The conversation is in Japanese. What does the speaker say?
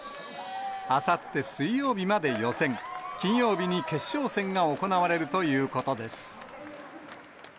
あさって水曜日まで予選、金曜日に決勝戦が行われるということです。